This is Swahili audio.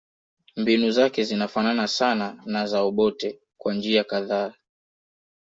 Mbinu zake zinafanana sana na za Obote kwa njia kadhaa